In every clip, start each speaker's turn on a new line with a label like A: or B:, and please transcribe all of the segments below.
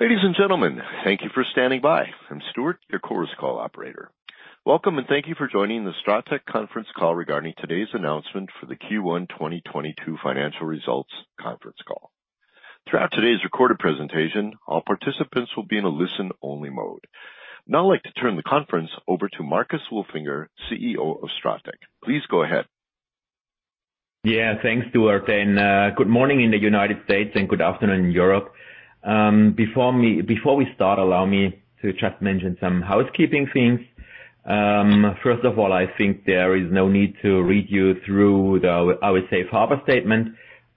A: Ladies and gentlemen, thank you for standing by. I'm Stuart, your Chorus Call operator. Welcome, and thank you for joining the STRATEC conference call regarding today's announcement for the Q1 2022 financial results conference call. Throughout today's recorded presentation, all participants will be in a listen-only mode. Now I'd like to turn the conference over to Marcus Wolfinger, CEO of STRATEC. Please go ahead.
B: Yeah. Thanks, Stuart. Good morning in the United States, and good afternoon in Europe. Before we start, allow me to just mention some housekeeping things. First of all, I think there is no need to read you through the, I would say, safe harbor statement,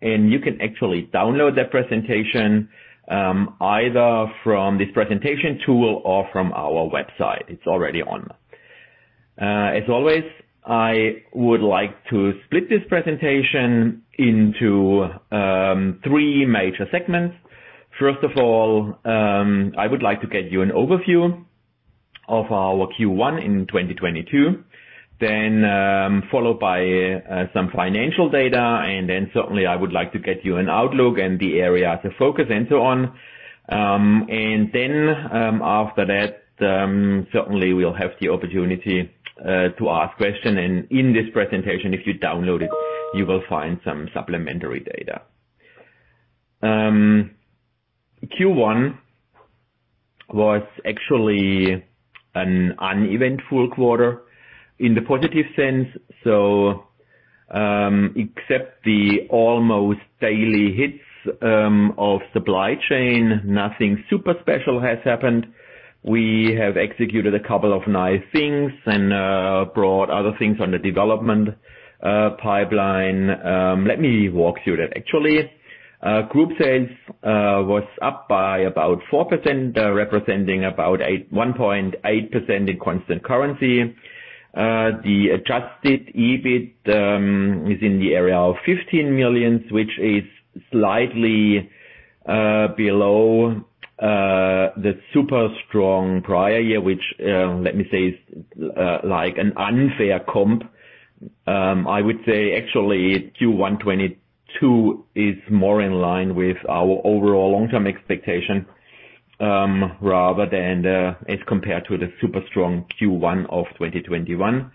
B: and you can actually download the presentation, either from this presentation tool or from our website. It's already on. As always, I would like to split this presentation into three major segments. First of all, I would like to get you an overview of our Q1 in 2022, then followed by some financial data, and then certainly I would like to get you an outlook and the area as a focus and so on. After that, certainly we'll have the opportunity to ask question. In this presentation, if you download it, you will find some supplementary data. Q1 was actually an uneventful quarter in the positive sense. Except the almost daily hits of supply chain, nothing super special has happened. We have executed a couple of nice things and brought other things on the development pipeline. Let me walk you through that actually. Group sales was up by about 4%, representing about 1.8% in constant currency. The adjusted EBIT is in the area of 15 million, which is slightly below the super strong prior year, which, let me say is, like an unfair comp. I would say actually Q1 2022 is more in line with our overall long-term expectation, rather than as compared to the super strong Q1 of 2021.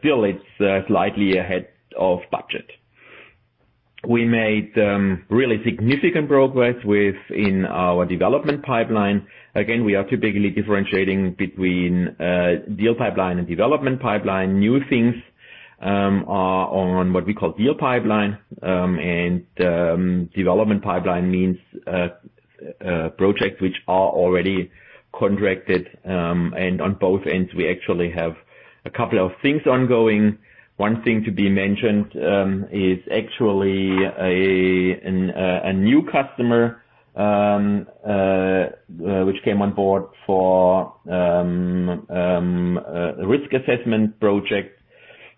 B: Still it's slightly ahead of budget. We made really significant progress within our development pipeline. Again, we are typically differentiating between deal pipeline and development pipeline. New things are on what we call deal pipeline, and development pipeline means projects which are already contracted, and on both ends we actually have a couple of things ongoing. One thing to be mentioned is actually a new customer which came on board for risk assessment project, you know,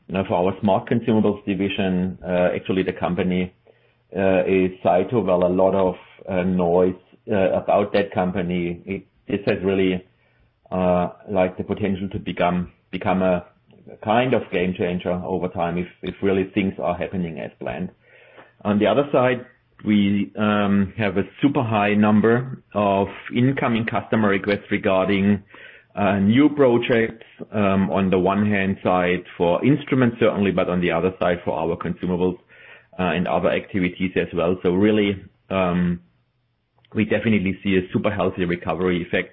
B: for our Smart Consumables division. Actually the company is Cytovale. A lot of noise about that company. It has really like the potential to become a kind of game changer over time if really things are happening as planned. On the other side, we have a super high number of incoming customer requests regarding new projects, on the one-hand side for instruments certainly, but on the other side for our consumables and other activities as well. Really, we definitely see a super healthy recovery effect.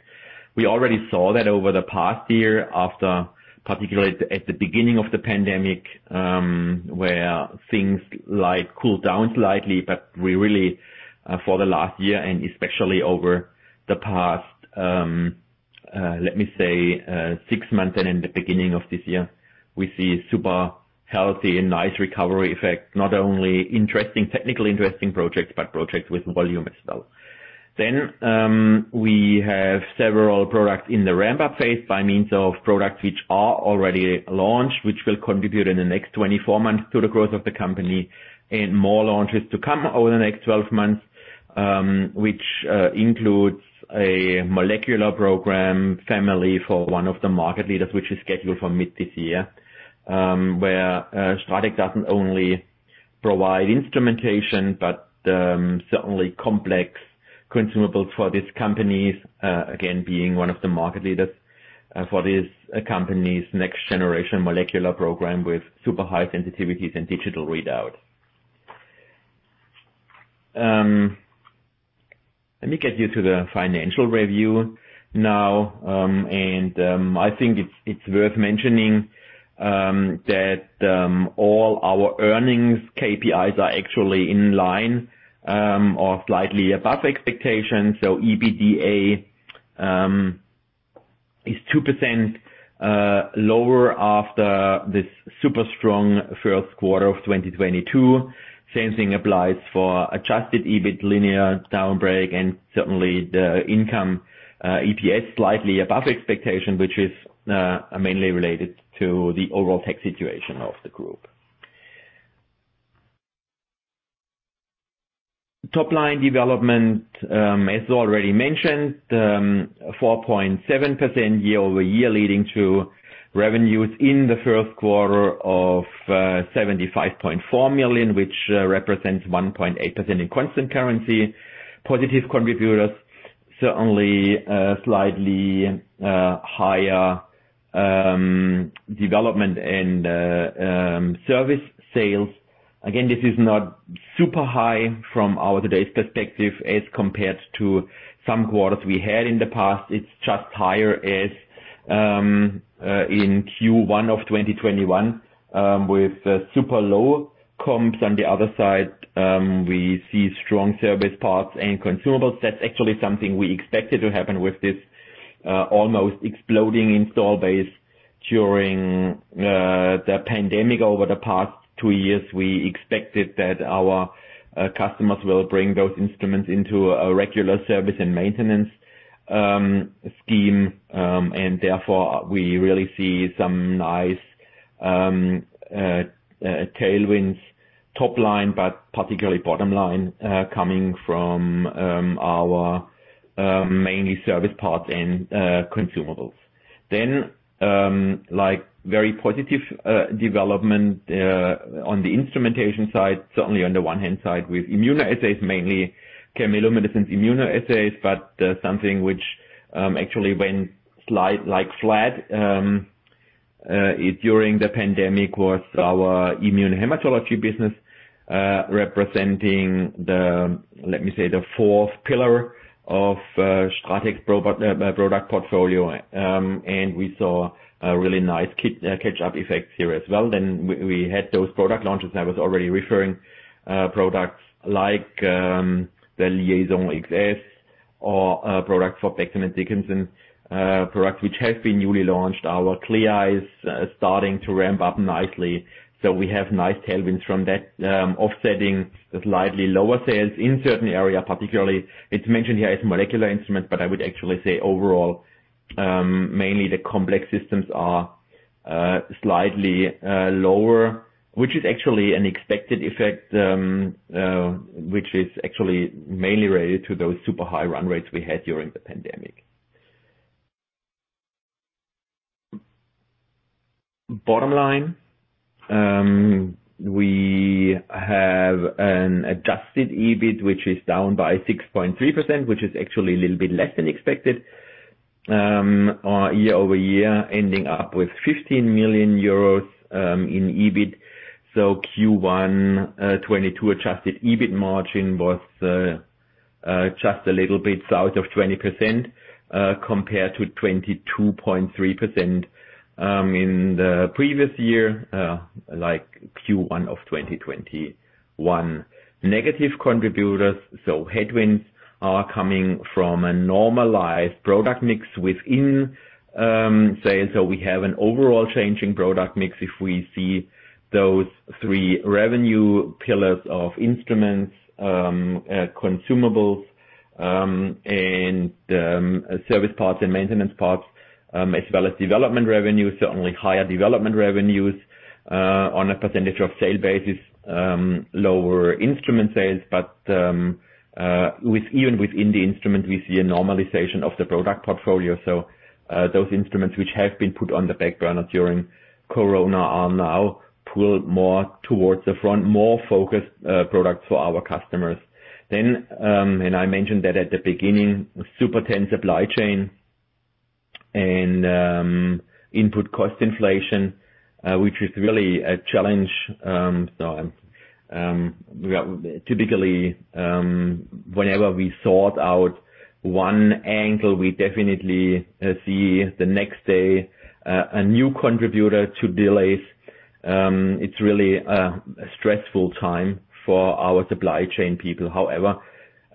B: We already saw that over the past year after, particularly at the beginning of the pandemic, where things like cooled down slightly. We really, for the last year and especially over the past six months and in the beginning of this year, we see super healthy and nice recovery effect, not only technically interesting projects but projects with volume as well. We have several products in the ramp-up phase by means of products which are already launched, which will contribute in the next 24 months to the growth of the company, and more launches to come over the next 12 months, which includes a molecular program family for one of the market leaders, which is scheduled for mid this year, where STRATEC doesn't only provide instrumentation, but certainly complex consumables for these companies, again, being one of the market leaders, for this company's next generation molecular program with super high sensitivities and digital readout. Let me get you to the financial review now. I think it's worth mentioning that all our earnings KPIs are actually in line or slightly above expectations. EBITDA is 2% lower after this super strong first quarter of 2022. Same thing applies for adjusted EBIT linearly down, break, and certainly the income, EPS slightly above expectation, which is mainly related to the overall tax situation of the group. Top line development, as already mentioned, 4.7% year-over-year leading to revenues in the first quarter of 75.4 million, which represents 1.8% in constant currency. Positive contributors certainly slightly higher development and service sales. Again, this is not super high from our today's perspective as compared to some quarters we had in the past. It's just higher as in Q1 of 2021 with super low comps. On the other side, we see strong service parts and consumables. That's actually something we expected to happen with this almost exploding installed base during the pandemic over the past two years. We expected that our customers will bring those instruments into a regular service and maintenance scheme, and therefore we really see some nice tailwinds, top line, but particularly bottom line, coming from our mainly service parts and consumables. Like, very positive development on the instrumentation side, certainly on the one hand with immunoassay, mainly chemiluminescence immunoassay. Something which actually went like flat during the pandemic was our immunohematology business, representing the, let me say, the fourth pillar of STRATEC's product portfolio. We saw a really nice catch-up effect here as well. We had those product launches, and I was already referring products like the LIAISON XS or products for Becton Dickinson, products which have been newly launched. Our CLIA is starting to ramp up nicely, so we have nice tailwinds from that, offsetting the slightly lower sales in certain areas, particularly it's mentioned here as molecular instruments, but I would actually say overall, mainly the complex systems are slightly lower, which is actually an expected effect, which is actually mainly related to those super high run rates we had during the pandemic. Bottom line, we have an adjusted EBIT which is down by 6.3%, which is actually a little bit less than expected, year-over-year, ending up with 15 million euros in EBIT. Q1 2022 adjusted EBIT margin was just a little bit south of 20%, compared to 22.3% in the previous year, like Q1 of 2021. Negative contributors, headwinds are coming from a normalized product mix within. We have an overall change in product mix if we see those three revenue pillars of instruments, consumables, and service parts and maintenance parts, as well as development revenues. Certainly higher development revenues on a percentage of sale basis, lower instrument sales. Even within the instrument, we see a normalization of the product portfolio. Those instruments which have been put on the background during Corona are now pulled more towards the front, more focused products for our customers. I mentioned that at the beginning, super intense supply chain and input cost inflation, which is really a challenge. Typically, whenever we sort out one angle, we definitely see the next day a new contributor to delays. It's really a stressful time for our supply chain people. However,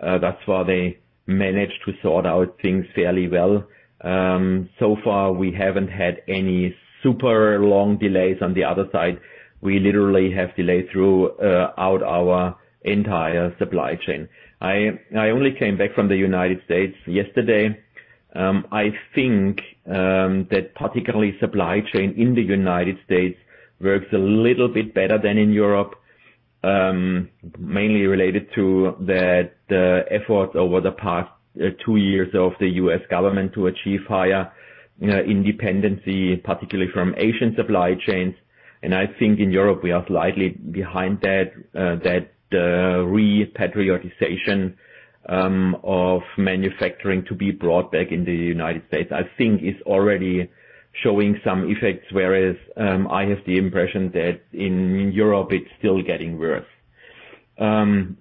B: that's why they managed to sort out things fairly well. So far we haven't had any super long delays on the other side. We literally have delays throughout our entire supply chain. I only came back from the United States yesterday. I think that, particularly, the supply chain in the United States works a little bit better than in Europe. Mainly related to that effort over the past two years of the U.S. government to achieve higher independence, particularly from Asian supply chains. I think in Europe we are slightly behind that repatriation of manufacturing to be brought back in the United States. I think it's already showing some effects, whereas I have the impression that in Europe it's still getting worse. On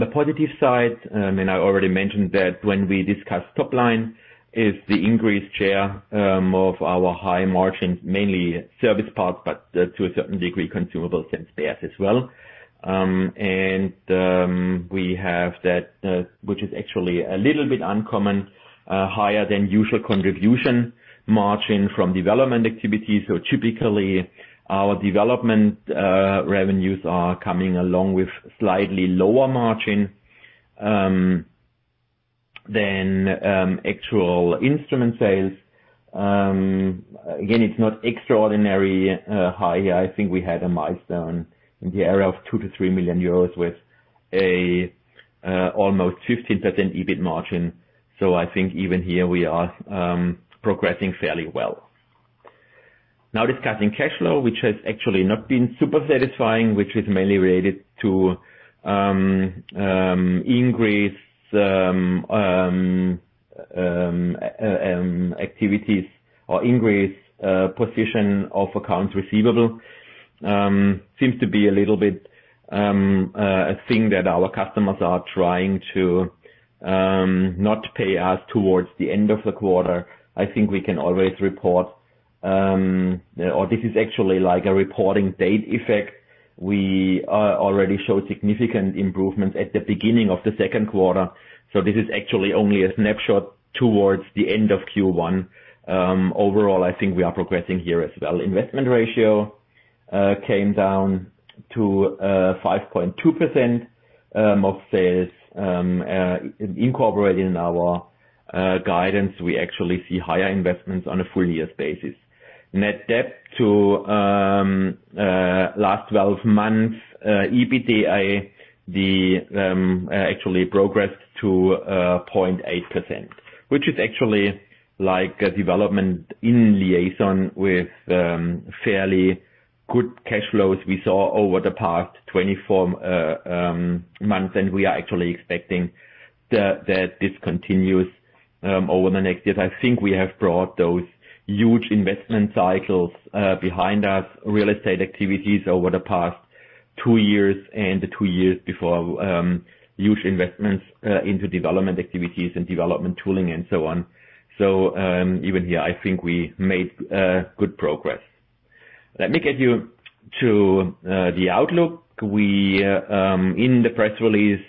B: the positive side, I already mentioned that when we discussed top line, is the increased share of our high margins, mainly service parts, but to a certain degree, consumables and spares as well. We have that, which is actually a little bit uncommon, higher than usual contribution margin from development activities. Typically our development revenues are coming along with slightly lower margin than actual instrument sales. Again, it's not extraordinary high. I think we had a milestone in the area of 2 million to 3 million euros with almost 15% EBIT margin. I think even here we are progressing fairly well. Now discussing cash flow, which has actually not been super satisfying, which is mainly related to increased activities or increased position of accounts receivable, seems to be a little bit a thing that our customers are trying to not pay us towards the end of the quarter. I think we can always report or this is actually like a reporting date effect. We already show significant improvements at the beginning of the second quarter, so this is actually only a snapshot towards the end of Q1. Overall, I think we are progressing here as well. Investment ratio came down to 5.2% of sales. Incorporated in our guidance, we actually see higher investments on a full year basis. Net debt to last twelve months EBITDA actually progressed to 0.8, which is actually like a development in line with fairly good cash flows we saw over the past 24 months, and we are actually expecting that this continues over the next years. I think we have brought those huge investment cycles behind us, real estate activities over the past two years and the two years before, huge investments into development activities and development tooling and so on. Even here, I think we made good progress. Let me get you to the outlook. We in the press release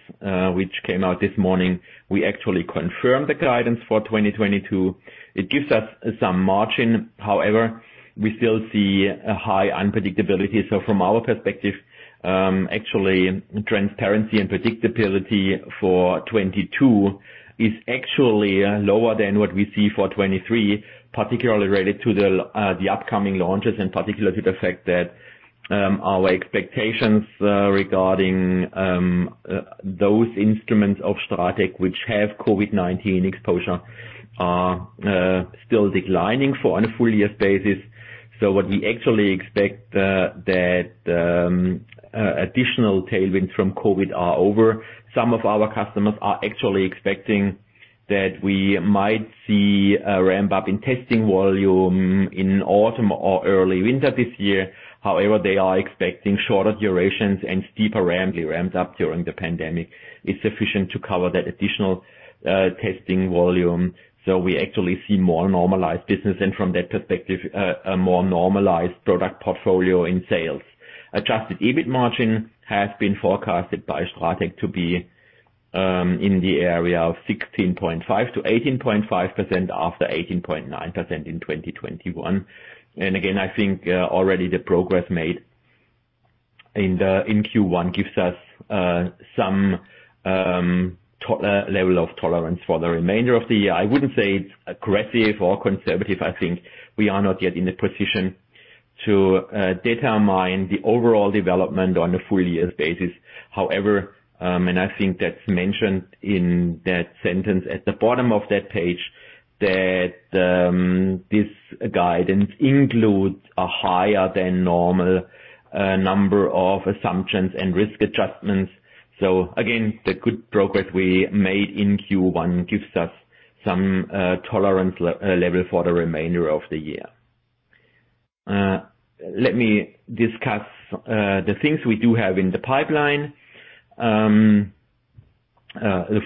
B: which came out this morning, we actually confirmed the guidance for 2022. It gives us some margin. However, we still see a high unpredictability. From our perspective, actually transparency and predictability for 2022 is actually lower than what we see for 2023, particularly related to the upcoming launches, and particularly the fact that, our expectations regarding those instruments of STRATEC which have COVID-19 exposure are still declining for on a full year basis. What we actually expect that additional tailwinds from COVID are over. Some of our customers are actually expecting that we might see a ramp-up in testing volume in autumn or early winter this year. However, they are expecting shorter durations and steeper ramp-up during the pandemic is sufficient to cover that additional testing volume. We actually see more normalized business and from that perspective, a more normalized product portfolio in sales. Adjusted EBIT margin has been forecasted by STRATEC to be in the area of 16.5%-18.5% after 18.9% in 2021. I think already the progress made in Q1 gives us some level of tolerance for the remainder of the year. I wouldn't say it's aggressive or conservative. I think we are not yet in the position to determine the overall development on a full year basis. However, and I think that's mentioned in that sentence at the bottom of that page, that this guidance includes a higher than normal number of assumptions and risk adjustments. Again, the good progress we made in Q1 gives us some tolerance level for the remainder of the year. Let me discuss the things we do have in the pipeline. The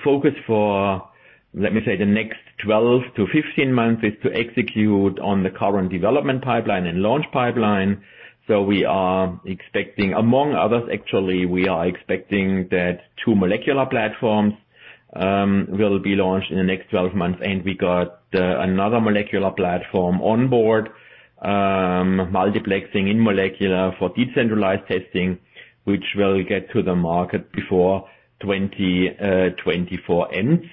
B: focus for, let me say, the next 12-15 months is to execute on the current development pipeline and launch pipeline. We are expecting, among others, actually, we are expecting that two molecular platforms will be launched in the next 12 months, and we got another molecular platform on board, multiplexing in molecular for decentralized testing, which will get to the market before 2024 ends.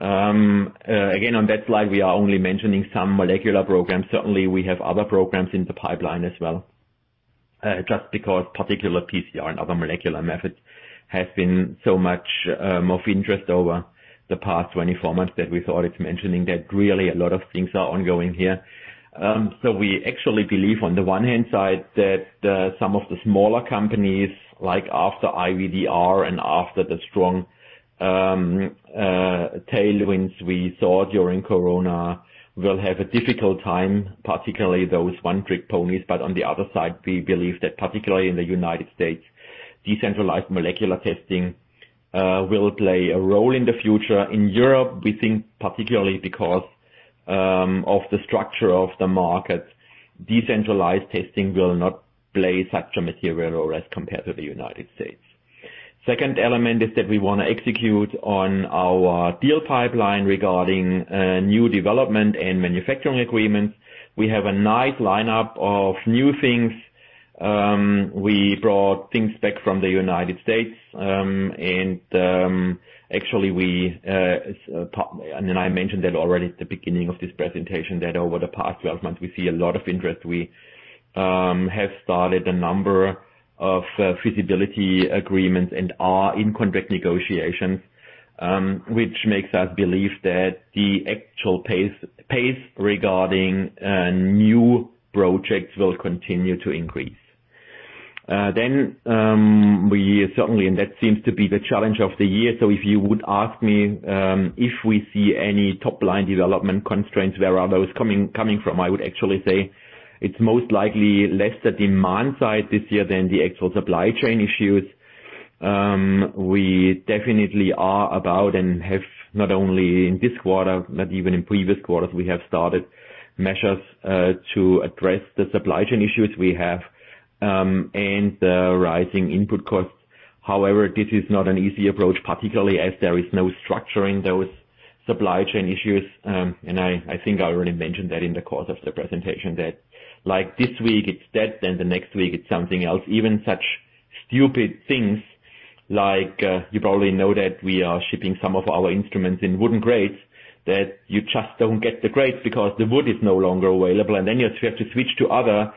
B: Again, on that slide, we are only mentioning some molecular programs. Certainly, we have other programs in the pipeline as well, just because particular PCR and other molecular methods have been so much of interest over the past 24 months that we thought it's mentioning that really a lot of things are ongoing here. We actually believe on the one hand side that some of the smaller companies, like after IVDR and after the strong tailwinds we saw during Corona, will have a difficult time, particularly those one-trick ponies. On the other side, we believe that particularly in the United States, decentralized molecular testing will play a role in the future. In Europe, we think particularly because of the structure of the market, decentralized testing will not play such a material role as compared to the United States. Second element is that we wanna execute on our deal pipeline regarding new development and manufacturing agreements. We have a nice lineup of new things. We brought things back from the United States, and actually, and then I mentioned that already at the beginning of this presentation that over the past 12 months we see a lot of interest. We have started a number of feasibility agreements and are in contract negotiations, which makes us believe that the actual pace regarding new projects will continue to increase. We certainly and that seems to be the challenge of the year. If you would ask me if we see any top-line development constraints, where are those coming from? I would actually say it's most likely less the demand side this year than the actual supply chain issues. We definitely are about and have not only in this quarter, not even in previous quarters, we have started measures to address the supply chain issues we have and the rising input costs. However, this is not an easy approach, particularly as there is no structure in those supply chain issues. I think I already mentioned that in the course of the presentation, that like this week it's that, then the next week it's something else. Even such stupid things like you probably know that we are shipping some of our instruments in wooden crates, that you just don't get the crates because the wood is no longer available. Then you have to switch to other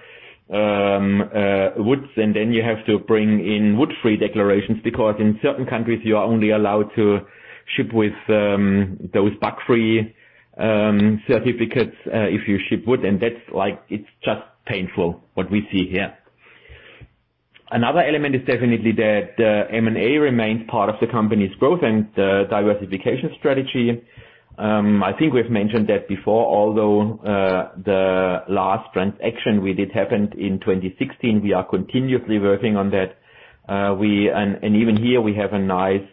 B: woods, and then you have to bring in wood-free declarations, because in certain countries you are only allowed to ship with those bug-free certificates if you ship wood. And that's like it's just painful what we see here. Another element is definitely that M&A remains part of the company's growth and diversification strategy. I think we've mentioned that before, although the last transaction we did happened in 2016, we are continuously working on that. Even here we have a nice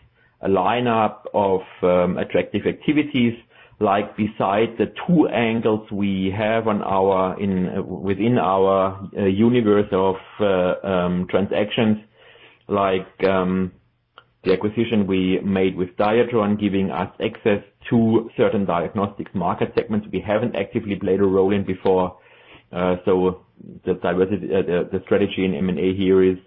B: lineup of attractive activities. Like, besides the two angles we have within our universe of transactions, like, the acquisition we made with Diatron, giving us access to certain diagnostics market segments we haven't actively played a role in before. The diversity, the strategy in M&A here is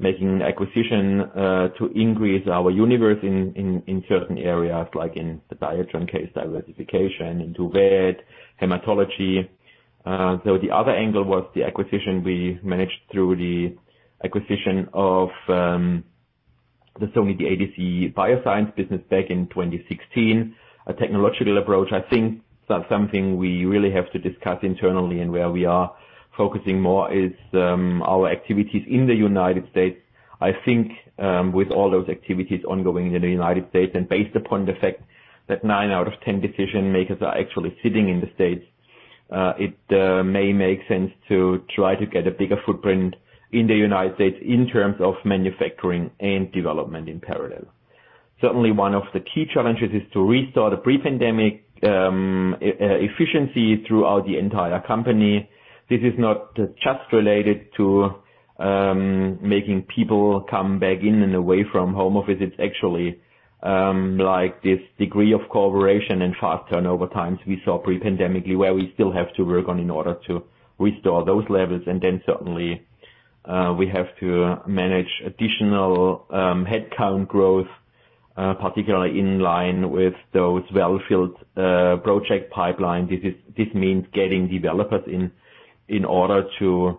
B: making acquisition to increase our universe in certain areas, like in the Diatron case, diversification into vet hematology. The other angle was the acquisition we managed through the acquisition of the Sony DADC BioSciences business back in 2016. A technological approach, I think that's something we really have to discuss internally and where we are focusing more is our activities in the United States. I think, with all those activities ongoing in the United States, and based upon the fact that nine out of ten decision-makers are actually sitting in the States, it may make sense to try to get a bigger footprint in the United States in terms of manufacturing and development in parallel. Certainly one of the key challenges is to restore the pre-pandemic efficiency throughout the entire company. This is not just related to making people come back in and away from home office. It's actually, like, this degree of cooperation and fast turnover times we saw pre-pandemically, where we still have to work on in order to restore those levels. Certainly, we have to manage additional headcount growth, particularly in line with those well-filled project pipeline. This means getting developers in order to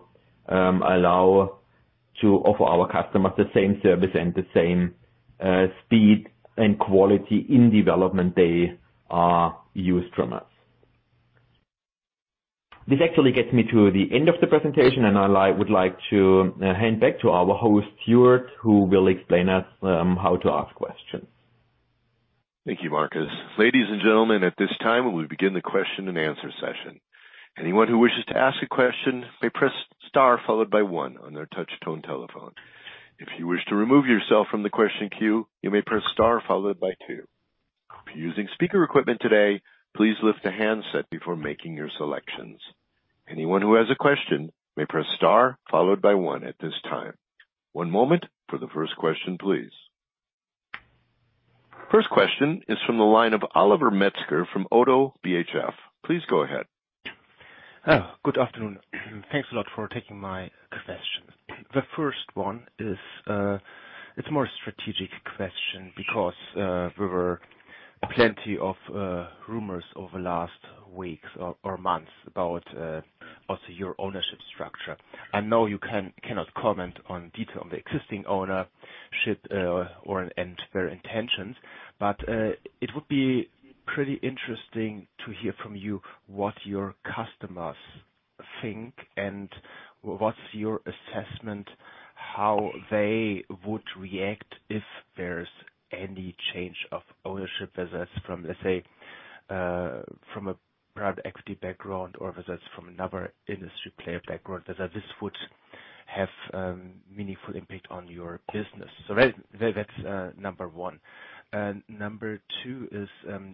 B: allow to offer our customers the same service and the same speed and quality in development they are used to from us. This actually gets me to the end of the presentation, and I would like to hand back to our host, Stuart, who will explain to us how to ask questions.
A: Thank you, Marcus. Ladies and gentlemen, at this time we begin the question-and-answer session. Anyone who wishes to ask a question may press star followed by one on their touch tone telephone. If you wish to remove yourself from the question queue, you may press star followed by two. If you're using speaker equipment today, please lift a handset before making your selections. Anyone who has a question may press star followed by one at this time. One moment for the first question, please. First question is from the line of Oliver Metzger from ODDO BHF. Please go ahead.
C: Oh, good afternoon. Thanks a lot for taking my questions. The first one is, it's more a strategic question because, there were plenty of, rumors over last weeks or months about, also your ownership structure. I know you cannot comment on detail on the existing ownership, or and their intentions, but, it would be pretty interesting to hear from you what your customers think and what's your assessment, how they would react if there's any change of ownership, whether it's from, let's say, from a private equity background or whether it's from another industry player background, whether this would have, meaningful impact on your business. That's number one. Number two is,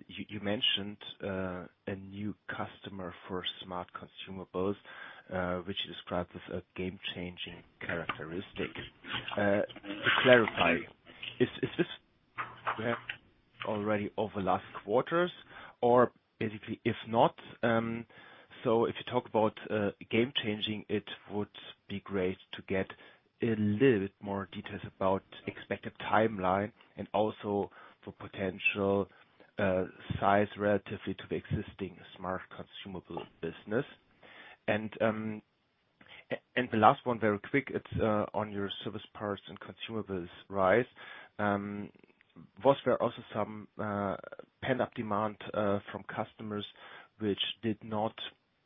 C: you mentioned, a new customer for Smart Consumables, which you described as a game-changing characteristic. To clarify, is this we have already over last quarters or basically if not? If you talk about game changing, it would be great to get a little bit more details about expected timeline and also for potential size relatively to the existing Smart Consumables business. The last one very quick, it's on your service parts and consumables rise. Was there also some pent-up demand from customers which did not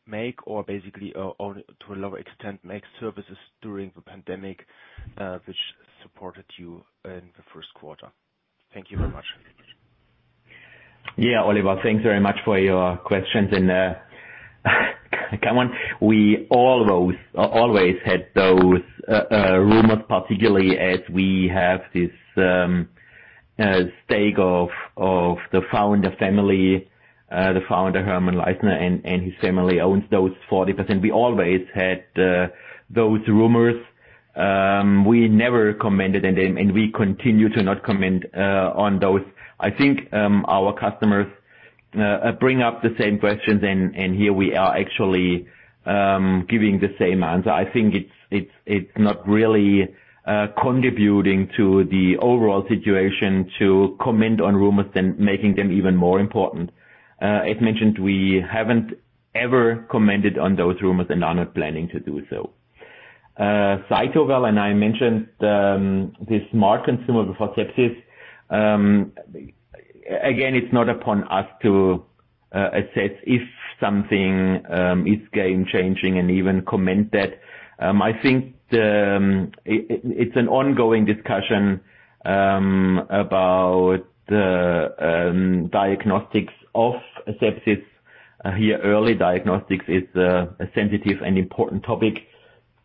C: make or basically, or to a lower extent, make services during the pandemic, which supported you in the first quarter? Thank you very much.
B: Yeah. Oliver, thanks very much for your questions. Come on. We always had those rumors, particularly as we have this stake of the founder family, the founder Hermann Leistner and his family owns those 40%. We always had those rumors. We never commented, and we continue to not comment on those. I think our customers bring up the same questions and here we are actually giving the same answer. I think it's not really contributing to the overall situation to comment on rumors and making them even more important. As mentioned, we haven't ever commented on those rumors and are not planning to do so. Cytovale, I mentioned this smart consumable for sepsis. Again, it's not upon us to assess if something is game changing and even comment that. I think it's an ongoing discussion about the diagnostics of sepsis. Here, early diagnostics is a sensitive and important topic.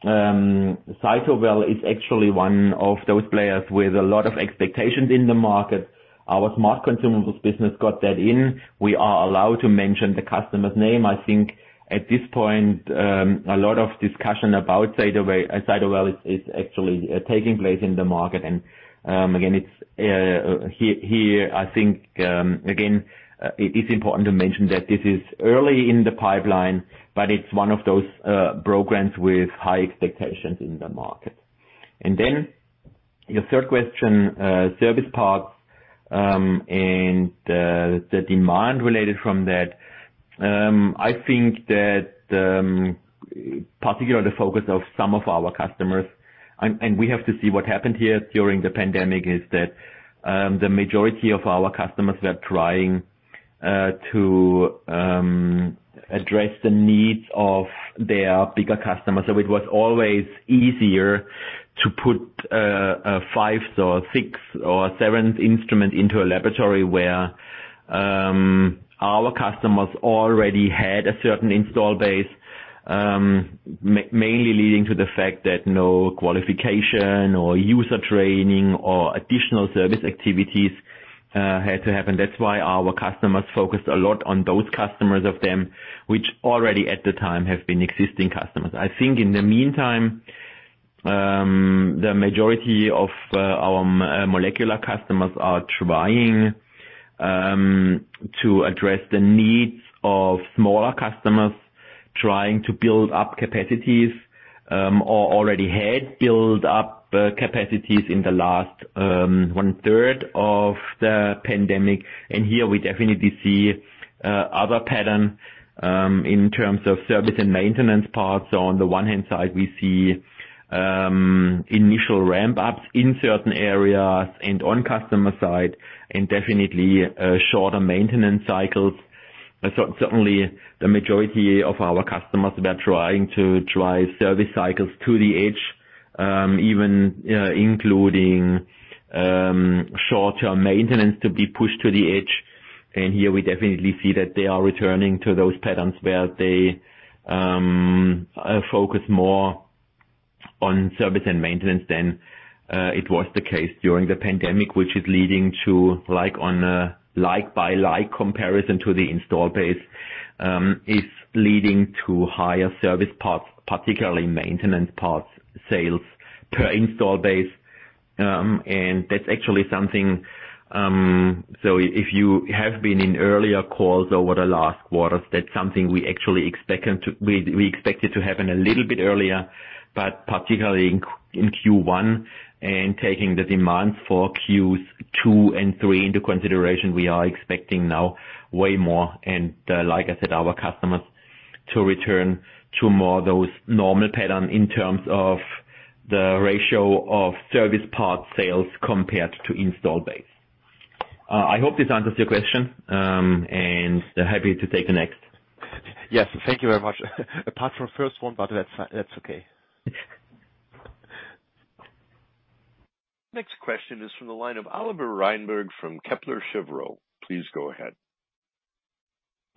B: Cytovale is actually one of those players with a lot of expectations in the market. Our Smart Consumables business got that in. We are allowed to mention the customer's name. I think at this point a lot of discussion about Cytovale is actually taking place in the market. Again, it's here I think again it is important to mention that this is early in the pipeline, but it's one of those programs with high expectations in the market. Your third question, service parts, and the demand related to that. I think that particularly the focus of some of our customers and we have to see what happened here during the pandemic is that the majority of our customers were trying to address the needs of their bigger customers. It was always easier to put a five or six or seven instrument into a laboratory where our customers already had a certain installed base, mainly leading to the fact that no qualification or user training or additional service activities had to happen. That's why our customers focused a lot on those customers of them, which already at the time have been existing customers. I think in the meantime, the majority of our molecular customers are trying to address the needs of smaller customers trying to build up capacities, or already had built up capacities in the last one third of the pandemic. Here we definitely see other pattern in terms of service and maintenance parts. On the one hand side, we see initial ramp ups in certain areas and on customer side and definitely shorter maintenance cycles. Certainly the majority of our customers were trying to drive service cycles to the edge, even including short-term maintenance to be pushed to the edge. Here we definitely see that they are returning to those patterns where they focus more on service and maintenance than it was the case during the pandemic, which is leading to, like, on a like-for-like comparison to the install base, higher service parts, particularly maintenance parts sales per install base. That's actually something, so if you have been in earlier calls over the last quarters, that's something we actually expected to—we expected to happen a little bit earlier, but particularly in Q1 and taking the demand for Q2 and Q3 into consideration, we are expecting now way more, and, like I said, our customers to return to more those normal pattern in terms of the ratio of service parts sales compared to install base. I hope this answers your question, and happy to take the next.
C: Yes, thank you very much. Apart from first one, but that's okay.
A: Next question is from the line of Oliver Reinberg from Kepler Cheuvreux. Please go ahead.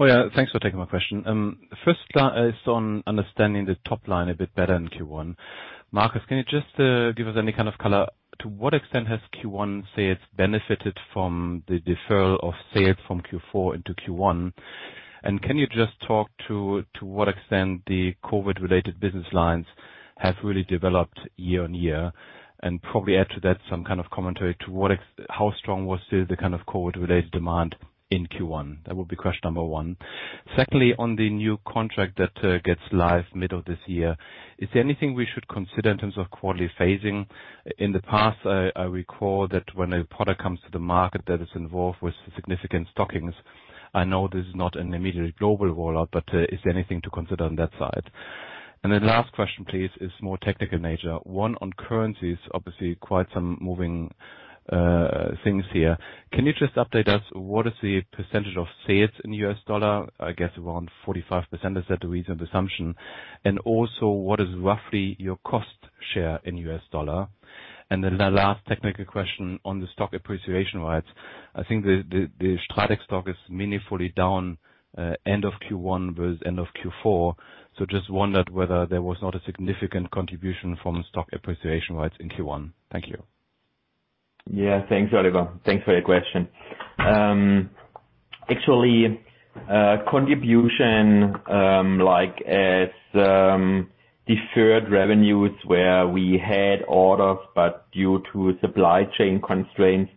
D: Well, thanks for taking my question. First is on understanding the top line a bit better in Q1. Marcus, can you just give us any kind of color to what extent has Q1 sales benefited from the deferral of sales from Q4 into Q1? And can you just talk to what extent the COVID related business lines have really developed year-on-year? And probably add to that some kind of commentary to what how strong was the kind of COVID related demand in Q1. That would be question number one. Secondly, on the new contract that gets live middle of this year, is there anything we should consider in terms of quarterly phasing? In the past, I recall that when a product comes to the market that is involved with significant stockings. I know this is not an immediate global rollout, but is there anything to consider on that side? Then last question please, is more technical nature. One on currencies, obviously quite some moving things here. Can you just update us what is the percentage of sales in US dollar? I guess around 45%, is that a recent assumption? And also what is roughly your cost share in US dollar? And then the last technical question on the stock appreciation rights. I think the STRATEC stock is meaningfully down end of Q1 versus end of Q4. Just wondered whether there was not a significant contribution from stock appreciation rights in Q1. Thank you.
B: Yeah. Thanks, Oliver. Thanks for your question. Actually, contribution like as deferred revenues where we had orders, but due to supply chain constraints,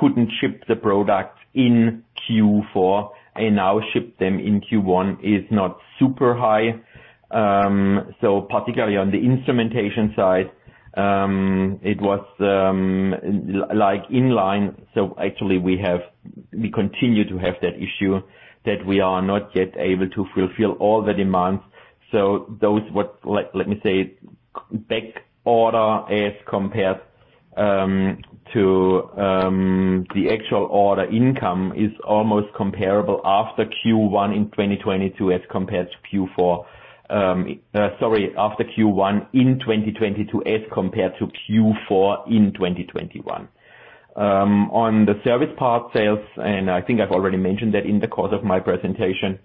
B: couldn't ship the product in Q4 and now ship them in Q1 is not super high. Particularly on the instrumentation side, it was like in line. Actually we continue to have that issue that we are not yet able to fulfill all the demands. Let me say, back order as compared to the actual order income is almost comparable after Q1 in 2022 as compared to Q4. Sorry. After Q1 in 2022 as compared to Q4 in 2021. On the service part sales, and I think I've already mentioned that in the course of my presentation,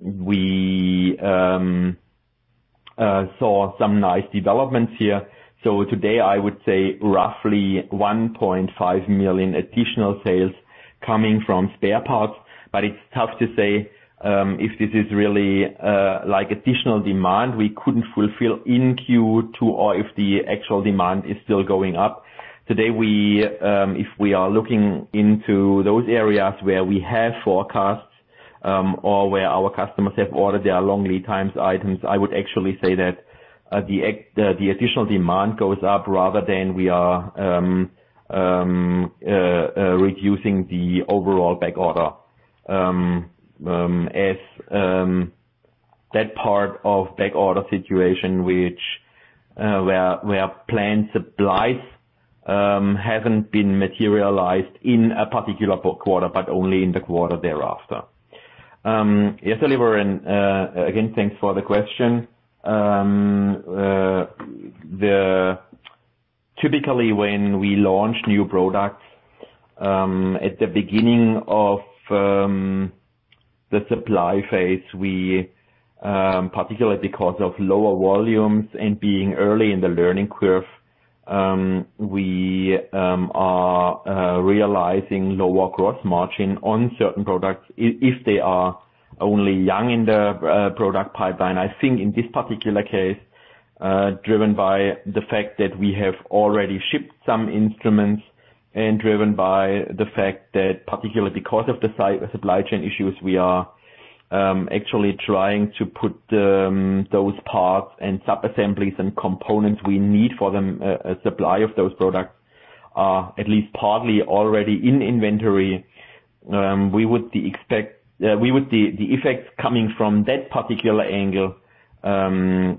B: we saw some nice developments here. Today I would say roughly 1.5 million additional sales coming from spare parts. It's tough to say if this is really like additional demand we couldn't fulfill in Q2 or if the actual demand is still going up. Today we, if we are looking into those areas where we have forecasts or where our customers have ordered their long lead times items, I would actually say that the additional demand goes up rather than we are reducing the overall back order. As that part of back order situation which where planned supplies haven't been materialized in a particular quarter, but only in the quarter thereafter. Yes, Oliver, and again, thanks for the question. Typically, when we launch new products, at the beginning of the supply phase, we, particularly because of lower volumes and being early in the learning curve, are realizing lower gross margin on certain products if they are only young in the product pipeline. I think in this particular case, driven by the fact that we have already shipped some instruments and driven by the fact that particularly because of the supply chain issues, we are actually trying to put those parts and sub-assemblies and components we need for them, supply of those products are at least partly already in inventory. We would expect the effects coming from that particular angle, as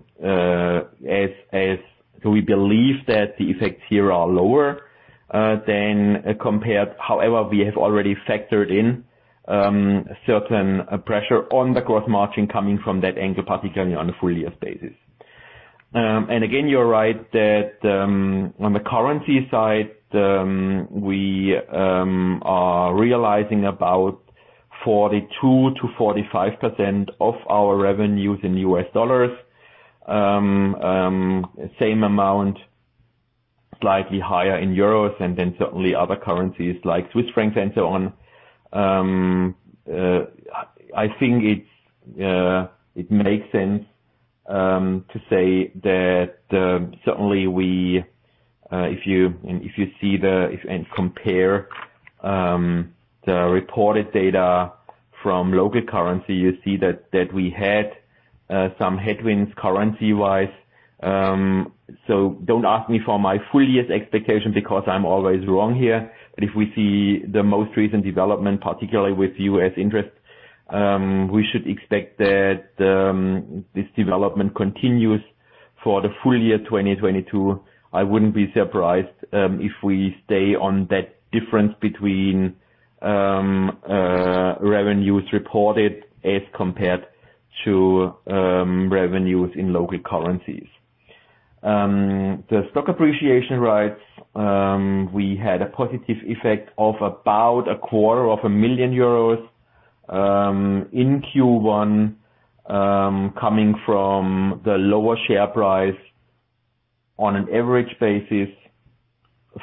B: we believe that the effects here are lower than compared. However, we have already factored in certain pressure on the gross margin coming from that angle, particularly on a full-year basis. Again, you're right that on the currency side, we are realizing about 42%-45% of our revenues in U.S. dollars. Same amount, slightly higher in euros, and then certainly other currencies like Swiss francs and so on. I think it makes sense to say that certainly, if you see and compare the reported data from local currency, you see that we had some headwinds currency-wise. Don't ask me for my full-year expectation because I'm always wrong here. If we see the most recent development, particularly with U.S. interest, we should expect that this development continues for the full year 2022. I wouldn't be surprised if we stay on that difference between revenues reported as compared to revenues in local currencies. The stock appreciation rights, we had a positive effect of about a quarter of a million euros in Q1 coming from the lower share price on an average basis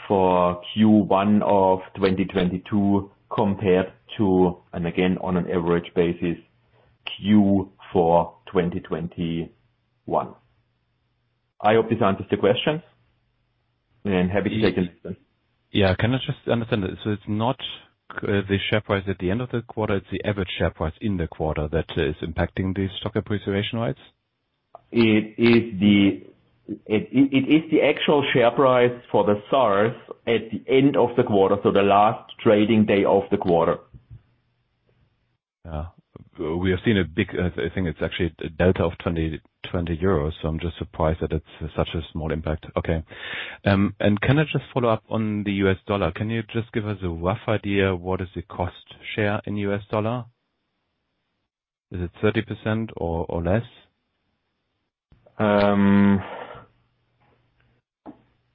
B: for Q1 of 2022 compared to, and again, on an average basis, Q4 2021. I hope this answers the question. Happy to take any-
D: Yeah. Can I just understand, so it's not the share price at the end of the quarter, it's the average share price in the quarter that is impacting the stock appreciation rights?
B: It is the actual share price for the SARs at the end of the quarter, so the last trading day of the quarter.
D: Yeah. We have seen a big, I think it's actually a delta of 20 euros, so I'm just surprised that it's such a small impact. Okay. Can I just follow up on the US dollar? Can you just give us a rough idea what is the cost share in US dollar? Is it 30% or less?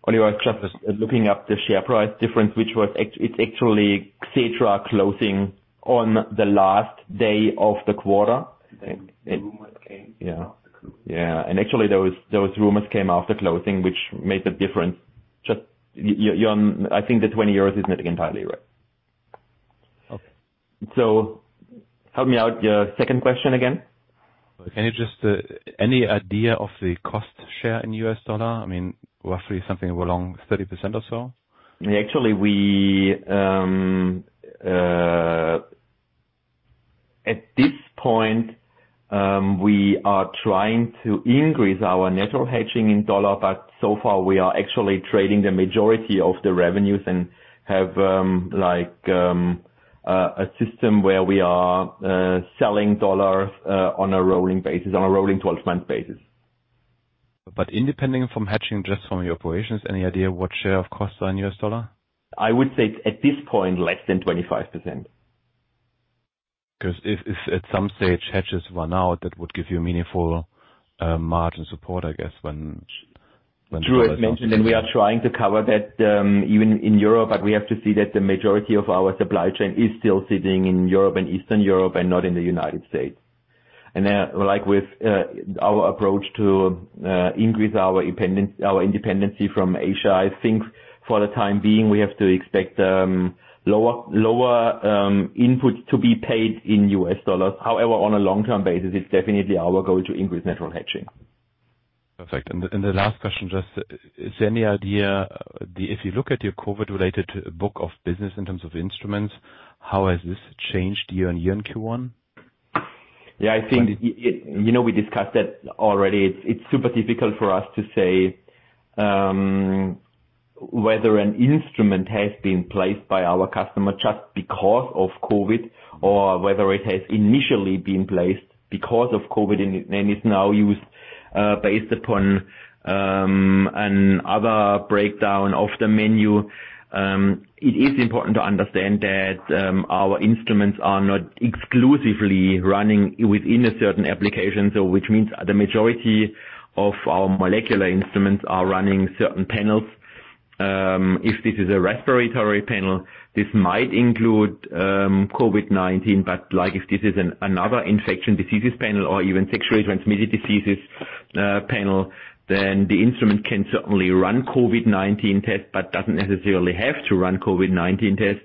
B: Oliver, I'm just looking up the share price difference, which was. It's actually Xetra closing on the last day of the quarter.
D: The rumors came.
B: Yeah.
D: After the close.
B: Yeah. Actually, those rumors came after closing, which made the difference. Just Jan, I think the 20 euros is not entirely right.
D: Okay.
B: Help me out. Your second question again.
D: Can you just, any idea of the cost share in U.S. dollar? I mean, roughly something along 30% or so.
B: Actually, at this point we are trying to increase our natural hedging in US dollars, but so far we are actually realizing the majority of the revenues and have like a system where we are selling US dollars on a rolling basis, on a rolling 12-month basis.
D: Independent from hedging, just from your operations, any idea what share of costs are in U.S. dollar?
B: I would say at this point, less than 25%.
D: 'Cause if at some stage hedges run out, that would give you a meaningful margin support, I guess.
B: True. As mentioned, we are trying to cover that even in Europe, but we have to see that the majority of our supply chain is still sitting in Europe and Eastern Europe and not in the United States. Like with our approach to increase our independence from Asia, I think for the time being, we have to expect lower inputs to be paid in US dollars. However, on a long-term basis, it's definitely our goal to increase natural hedging.
D: Perfect. The last question, just is there any idea, if you look at your COVID-related book of business in terms of instruments, how has this changed year-on-year in Q1?
B: Yeah, I think, you know, we discussed that already. It's super difficult for us to say whether an instrument has been placed by our customer just because of COVID-19 or whether it has initially been placed because of COVID-19 and is now used based upon another breakdown of the menu. It is important to understand that our instruments are not exclusively running within a certain application. Which means the majority of our molecular instruments are running certain panels. If this is a respiratory panel, this might include COVID-19, but, like, if this is another infectious diseases panel or even sexually transmitted diseases panel, then the instrument can certainly run COVID-19 tests but doesn't necessarily have to run COVID-19 tests.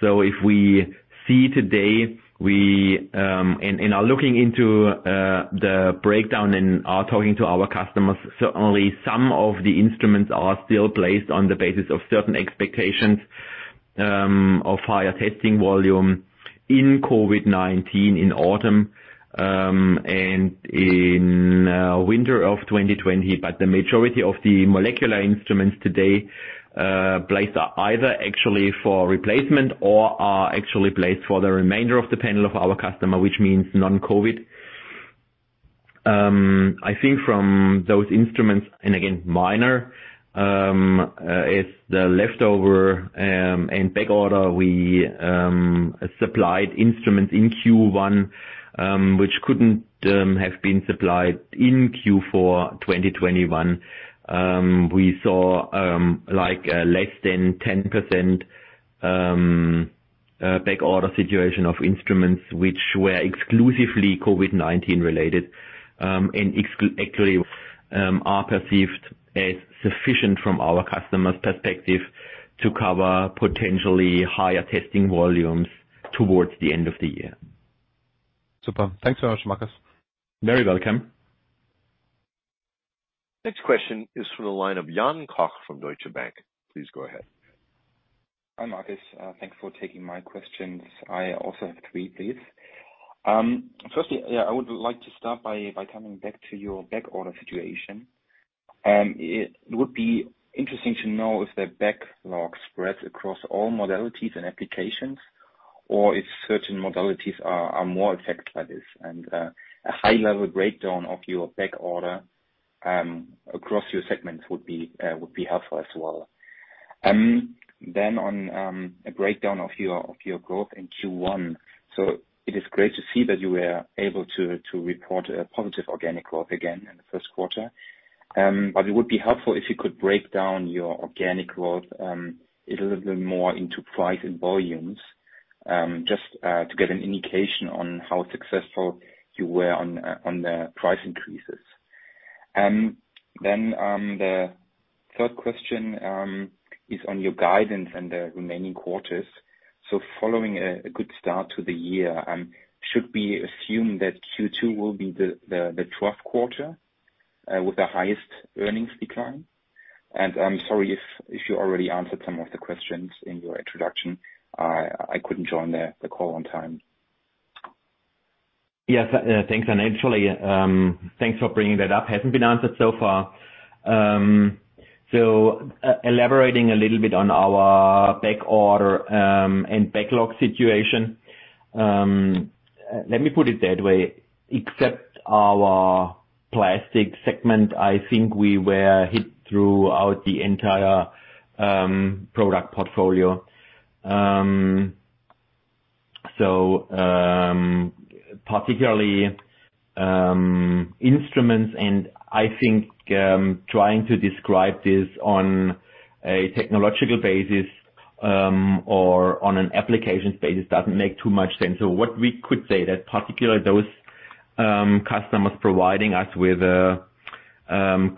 B: If we see today, we are looking into the breakdown and are talking to our customers, certainly some of the instruments are still placed on the basis of certain expectations of higher testing volume in COVID-19 in autumn and in winter of 2020. The majority of the molecular instruments today placed are either actually for replacement or are actually placed for the remainder of the panel of our customer, which means non-COVID. I think from those instruments, and again, minor is the leftover and back order, we supplied instruments in Q1, which couldn't have been supplied in Q4 2021. We saw, like, less than 10% back order situation of instruments which were exclusively COVID-19 related, and actually, are perceived as sufficient from our customers' perspective to cover potentially higher testing volumes towards the end of the year.
D: Super. Thanks so much, Marcus.
B: Very welcome.
A: Next question is from the line of Jan Koch from Deutsche Bank. Please go ahead.
E: Hi, Marcus. Thanks for taking my questions. I also have three, please. Firstly, yeah, I would like to start by coming back to your back order situation. It would be interesting to know if the backlog spreads across all modalities and applications or if certain modalities are more affected by this. A high-level breakdown of your back order across your segments would be helpful as well. A breakdown of your growth in Q1. It is great to see that you were able to report a positive organic growth again in the first quarter. It would be helpful if you could break down your organic growth a little bit more into price and volumes, just to get an indication on how successful you were on the price increases. Then, the third question is on your guidance in the remaining quarters. Following a good start to the year, should we assume that Q2 will be the twelfth quarter with the highest earnings decline? I'm sorry if you already answered some of the questions in your introduction. I couldn't join the call on time.
B: Yes, thanks, actually, thanks for bringing that up. Hasn't been answered so far. Elaborating a little bit on our backorder and backlog situation. Let me put it that way, except our plastic segment, I think we were hit throughout the entire product portfolio. Particularly, instruments and I think, trying to describe this on a technological basis or on an applications basis doesn't make too much sense. What we could say that particularly those customers providing us with a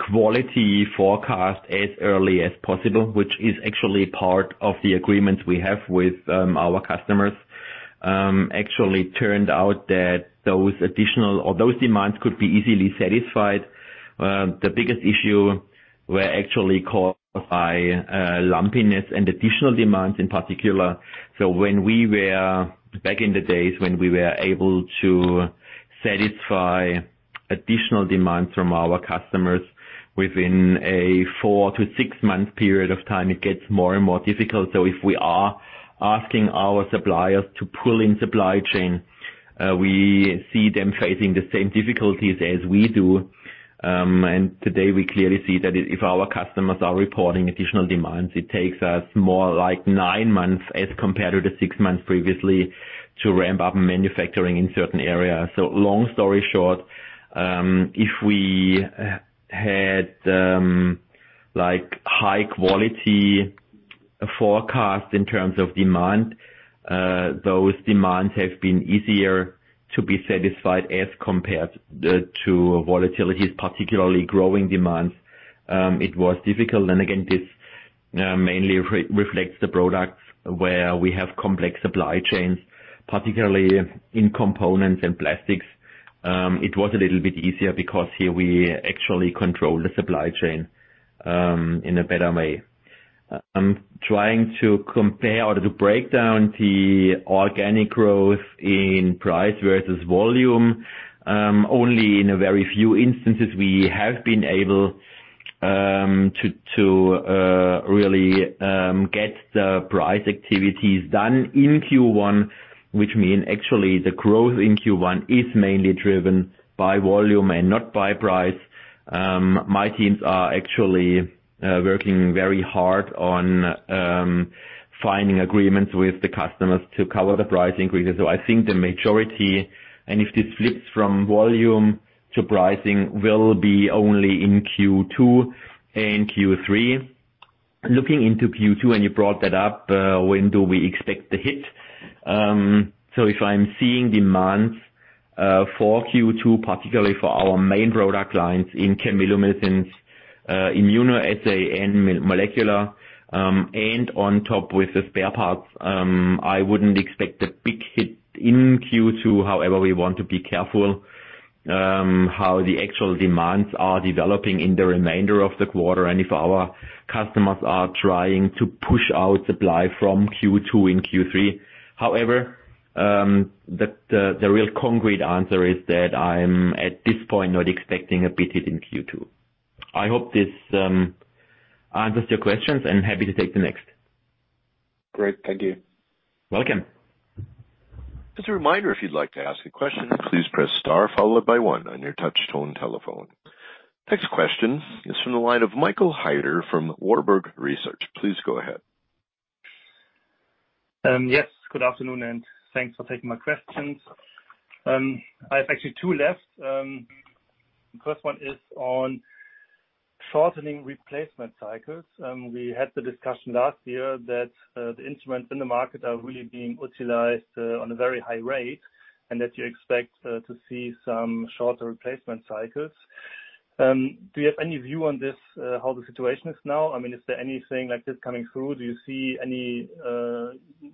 B: quantity forecast as early as possible, which is actually part of the agreement we have with our customers, actually turned out that those additional or those demands could be easily satisfied. The biggest issue were actually caused by lumpiness and additional demands in particular. Back in the days when we were able to satisfy additional demands from our customers within a four to six-month period of time, it gets more and more difficult. If we are asking our suppliers to pull in supply chain, we see them facing the same difficulties as we do. Today, we clearly see that if our customers are reporting additional demands, it takes us more like nine months as compared to the 6 months previously to ramp up manufacturing in certain areas. Long story short, if we had, like, high quality forecast in terms of demand, those demands have been easier to be satisfied as compared to volatilities, particularly growing demands. It was difficult, and again, this mainly reflects the products where we have complex supply chains, particularly in components and plastics. It was a little bit easier because here we actually control the supply chain in a better way. I'm trying to compare or to break down the organic growth in price versus volume. Only in a very few instances we have been able to really get the price activities done in Q1, which means actually the growth in Q1 is mainly driven by volume and not by price. My teams are actually working very hard on finding agreements with the customers to cover the price increases. I think the majority, and if this flips from volume to pricing, will be only in Q2 and Q3. Looking into Q2, and you brought that up, when do we expect the hit? If I'm seeing demands for Q2, particularly for our main product lines in chemiluminescence immunoassay, and molecular, and on top with the spare parts, I wouldn't expect a big hit in Q2. However, we want to be careful how the actual demands are developing in the remainder of the quarter, and if our customers are trying to push out supply from Q2 in Q3. However, the real concrete answer is that I'm at this point not expecting a big hit in Q2. I hope this answers your questions and happy to take the next.
E: Great. Thank you.
B: Welcome.
A: As a reminder, if you'd like to ask a question, please press star followed by one on your touch tone telephone. Next question is from the line of Michael Heider from Warburg Research. Please go ahead.
F: Yes. Good afternoon, and thanks for taking my questions. I have actually two left. First one is on shortening replacement cycles. We had the discussion last year that the instruments in the market are really being utilized on a very high rate, and that you expect to see some shorter replacement cycles. Do you have any view on this, how the situation is now? I mean, is there anything like this coming through? Do you see any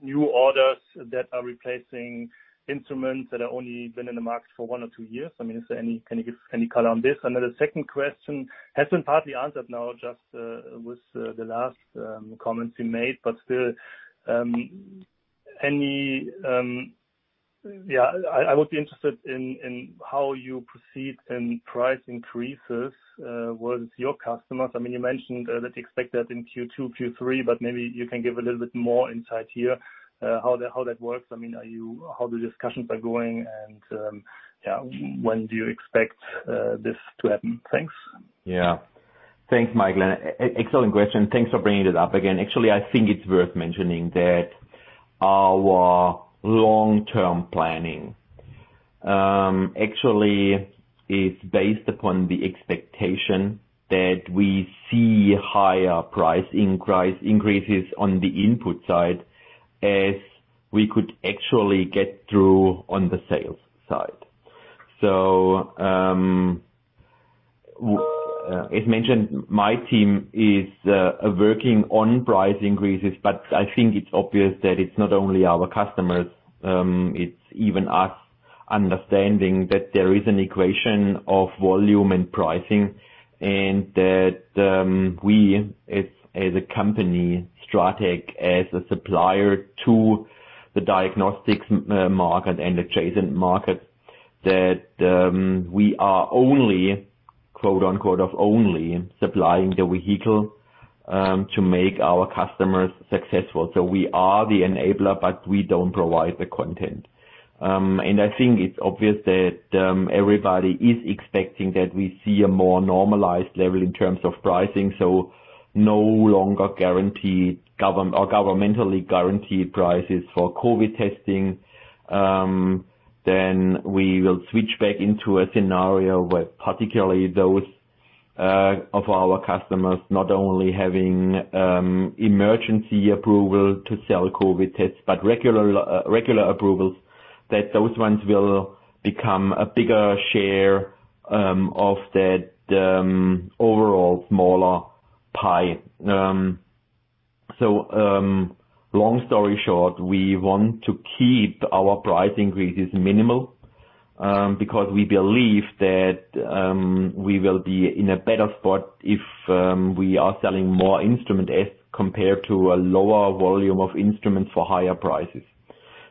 F: new orders that are replacing instruments that are only been in the market for one or two years? I mean, is there any? Can you give any color on this? The second question has been partly answered now, just with the last comments you made, but still, any. Yeah, I would be interested in how you proceed in price increases with your customers. I mean, you mentioned that you expect that in Q2, Q3, but maybe you can give a little bit more insight here, how that works. I mean, how the discussions are going and, yeah, when do you expect this to happen? Thanks.
B: Yeah. Thanks, Michael. Excellent question. Thanks for bringing it up again. Actually, I think it's worth mentioning that our long-term planning actually is based upon the expectation that we see higher price increases on the input side as we could actually get through on the sales side. As mentioned, my team is working on price increases, but I think it's obvious that it's not only our customers, it's even us understanding that there is an equation of volume and pricing and that we as a company, STRATEC as a supplier to the diagnostics market and adjacent markets. That we are only, quote-unquote, "only" supplying the vehicle to make our customers successful. We are the enabler, but we don't provide the content. I think it's obvious that everybody is expecting that we see a more normalized level in terms of pricing. No longer governmentally guaranteed prices for COVID testing, then we will switch back into a scenario where particularly those of our customers not only having emergency approval to sell COVID tests, but regular approvals, that those ones will become a bigger share of that overall smaller pie. Long story short, we want to keep our price increases minimal because we believe that we will be in a better spot if we are selling more instrument as compared to a lower volume of instruments for higher prices.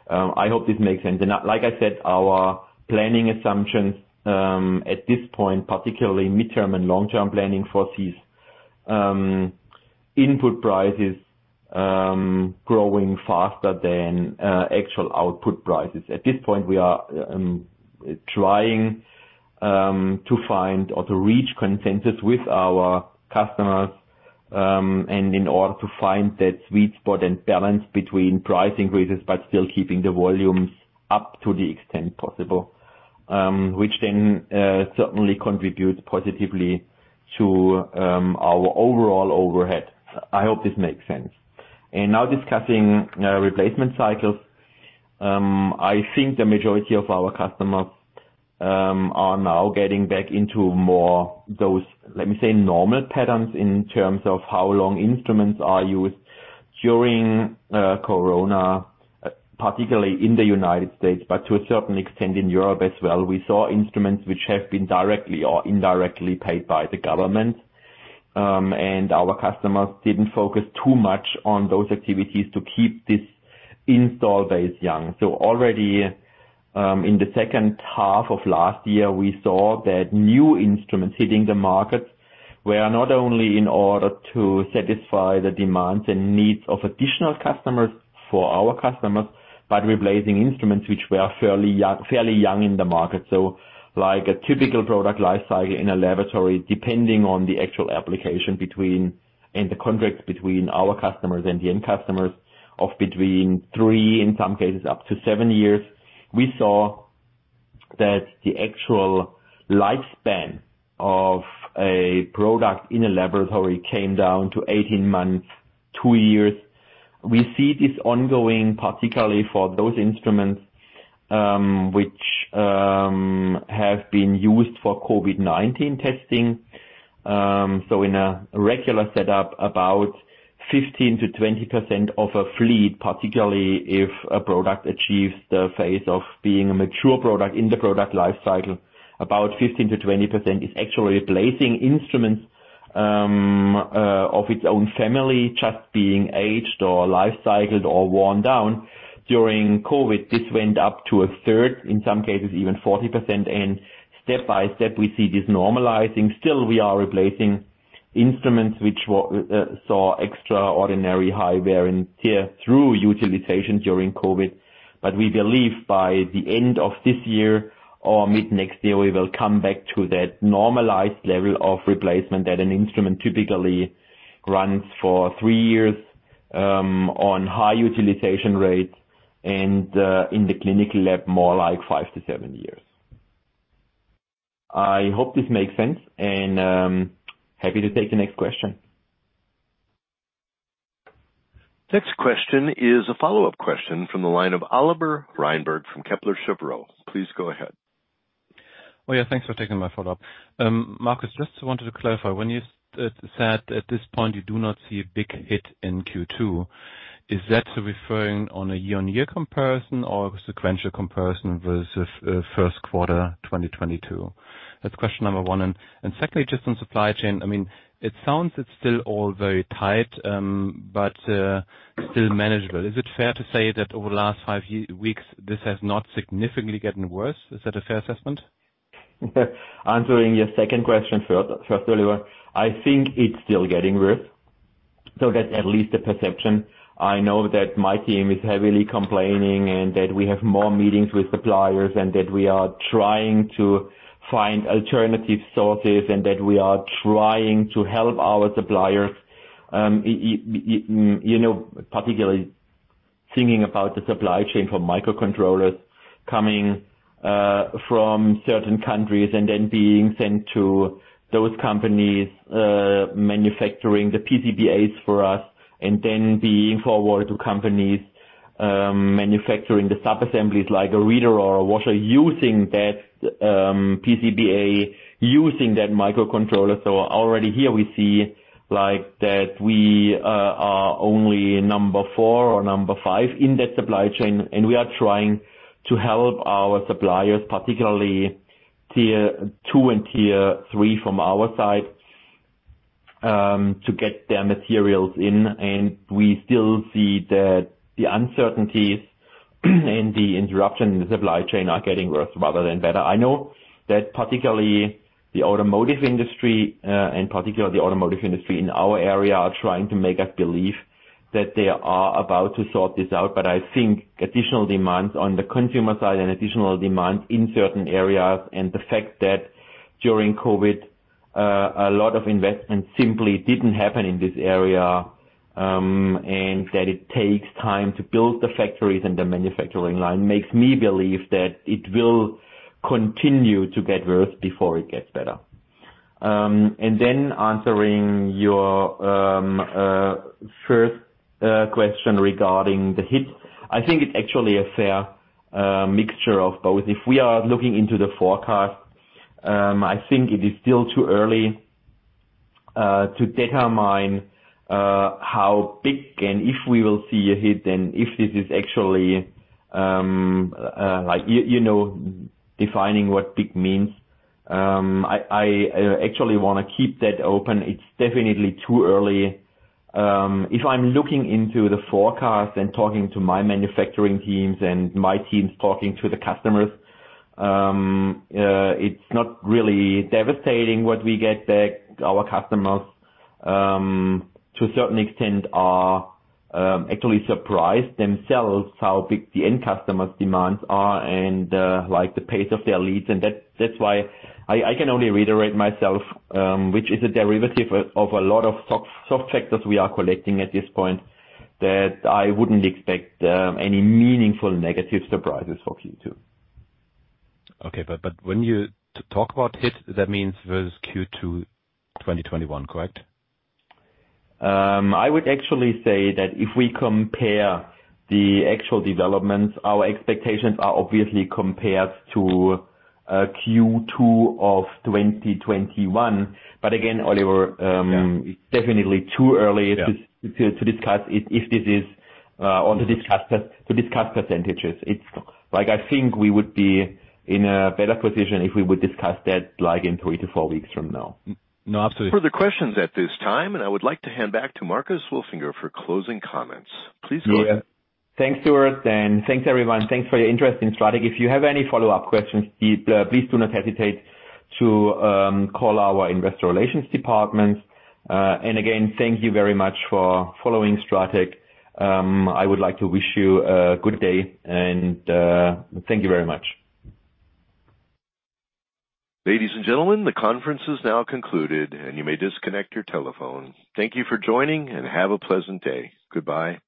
B: I hope this makes sense. Like I said, our planning assumptions at this point, particularly midterm and long-term planning foresees input prices growing faster than actual output prices. At this point, we are trying to find or to reach consensus with our customers and in order to find that sweet spot and balance between price increases but still keeping the volumes up to the extent possible, which then certainly contributes positively to our overall overhead. I hope this makes sense. Now discussing replacement cycles. I think the majority of our customers are now getting back into more those, let me say, normal patterns in terms of how long instruments are used during COVID-19, particularly in the United States, but to a certain extent in Europe as well. We saw instruments which have been directly or indirectly paid by the government, and our customers didn't focus too much on those activities to keep this installed base young. Already, in the second half of last year, we saw that new instruments hitting the market were not only in order to satisfy the demands and needs of additional customers, our customers, but replacing instruments which were fairly young in the market. Like a typical product life cycle in a laboratory, depending on the actual application and the contract between our customers and the end customers, between three, in some cases up to seven years. We saw that the actual lifespan of a product in a laboratory came down to 18 months, two years. We see this ongoing, particularly for those instruments, which have been used for COVID-19 testing. In a regular setup, about 15%-20% of a fleet, particularly if a product achieves the phase of being a mature product in the product life cycle, about 15%-20% is actually replacing instruments of its own family just being aged or life cycled or worn down. During COVID, this went up to a third, in some cases even 40%, and step-by-step we see this normalizing. Still we are replacing instruments which saw extraordinary high variance here through utilization during COVID. We believe by the end of this year or mid-next year, we will come back to that normalized level of replacement that an instrument typically runs for three years on high utilization rates and, in the clinical lab, more like five to seven years. I hope this makes sense, and happy to take the next question.
A: Next question is a follow-up question from the line of Oliver Reinberg from Kepler Cheuvreux. Please go ahead.
D: Oh, yeah. Thanks for taking my follow-up. Marcus, just wanted to clarify, when you said at this point you do not see a big hit in Q2, is that referring to a year-on-year comparison or sequential comparison versus first quarter 2022? That's question number one. Secondly, just on supply chain. I mean, it sounds it's still all very tight, but still manageable. Is it fair to say that over the last five weeks, this has not significantly gotten worse? Is that a fair assessment?
B: Answering your second question first, Oliver, I think it's still getting worse. That's at least the perception. I know that my team is heavily complaining and that we have more meetings with suppliers and that we are trying to find alternative sources and that we are trying to help our suppliers, you know, particularly thinking about the supply chain for microcontrollers coming from certain countries and then being sent to those companies manufacturing the PCBAs for us and then being forwarded to companies manufacturing the sub-assemblies like a reader or a washer using that PCBA, using that microcontroller. Already here we see, like, that we are only number four or number five in that supply chain, and we are trying to help our suppliers, particularly tier two and tier three from our side, to get their materials in, and we still see that the uncertainties and the interruption in the supply chain are getting worse rather than better. I know that particularly the automotive industry in our area are trying to make us believe that they are about to sort this out. I think additional demands on the consumer side and additional demand in certain areas, and the fact that during COVID, a lot of investments simply didn't happen in this area, and that it takes time to build the factories and the manufacturing line, makes me believe that it will continue to get worse before it gets better. Answering your first question regarding the hit. I think it's actually a fair mixture of both. If we are looking into the forecast, I think it is still too early to determine how big and if we will see a hit, then if this is actually like, you know, defining what big means. I actually wanna keep that open. It's definitely too early. If I'm looking into the forecast and talking to my manufacturing teams and my teams talking to the customers, it's not really devastating what we get back. Our customers, to a certain extent, are actually surprised themselves how big the end customers' demands are and, like, the pace of their leads. That's why I can only reiterate myself, which is a derivative of a lot of soft factors we are collecting at this point, that I wouldn't expect any meaningful negative surprises for Q2.
D: Okay. When you talk about it, that means versus Q2 2021, correct?
B: I would actually say that if we compare the actual developments, our expectations are obviously compared to Q2 of 2021. Again, Oliver.
D: Yeah.
B: It's definitely too early.
D: Yeah.
B: To discuss it, if this is, or to discuss percentages. It's like, I think we would be in a better position if we would discuss that, like, in three to four weeks from now.
D: No, absolutely.
A: Further questions at this time. I would like to hand back to Marcus Wolfinger for closing comments. Please go ahead.
B: Thanks, Stuart, and thanks, everyone. Thanks for your interest in STRATEC. If you have any follow-up questions, please do not hesitate to call our investor relations department. Again, thank you very much for following STRATEC. I would like to wish you a good day and thank you very much.
A: Ladies and gentlemen, the conference is now concluded, and you may disconnect your telephone. Thank you for joining, and have a pleasant day. Goodbye.